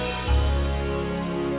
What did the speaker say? dan alright dapat memimpin mereka